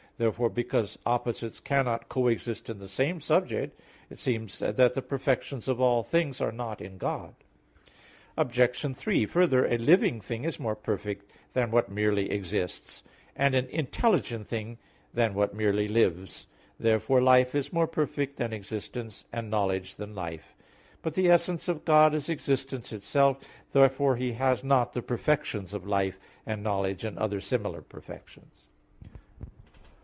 Therefore because opposites cannot coexist in the same subject, it seems that the perfections of all things are not in God. Obj. 3: Further, a living thing is more perfect than what merely exists; and an intelligent thing than what merely lives. Therefore life is more perfect than existence; and knowledge than life. But the essence of God is existence itself. Therefore He has not the perfections of life, and knowledge, and other similar perfections.